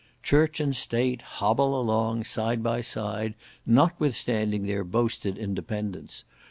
Church and State hobble along, side by side, notwithstanding their boasted independence.